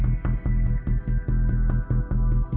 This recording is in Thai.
เวลาที่สุดท้าย